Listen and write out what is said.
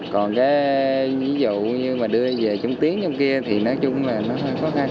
còn cái ví dụ như mà đưa về trung tiến trong kia thì nói chung là nó khó khăn